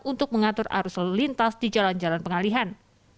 untuk mengatur arus lalu lintas di jalan jalan pengalihan